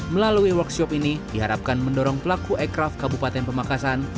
melalui workshop ini diharapkan mendorong pelaku ekraf kabupaten pemakasan